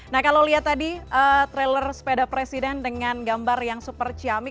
nah kalau lihat tadi trailer sepeda presiden dengan gambar yang super ciamik